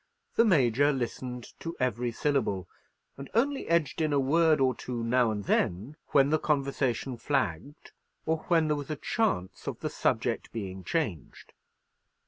The Major listened to every syllable, and only edged in a word or two now and then, when the conversation flagged, or when there was a chance of the subject being changed.